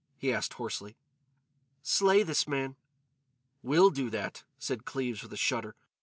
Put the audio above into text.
he asked hoarsely. "Slay this man." "We'll do that," said Cleves with a shudder.